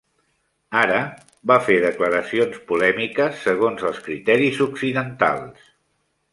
Hara va fer declaracions polèmiques segons els criteris occidentals.